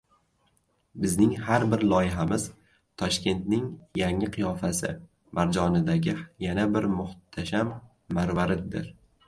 Bizning har bir loyihamiz – Toshkentning yangi qiyofasi marjonidagi yana bir muhtasham marvariddir!